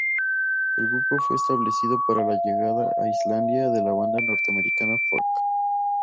El grupo fue establecido para la llegada a Islandia de la banda norteamericana Fuck.